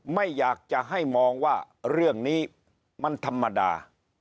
ไม่อยากจะให้มองว่าเรื่องนี้มันธรรมดา